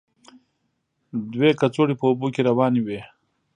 دوه کڅوړې په اوبو کې روانې وې.